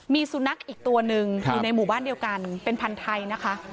มีสุนัขอีกตัวหนึ่งอยู่ในหมู่บ้านเดียวกันเป็นพันธุ์ไทยนะคะ